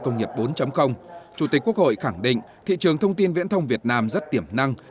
công nghiệp bốn chủ tịch quốc hội khẳng định thị trường thông tin viễn thông việt nam rất tiểm năng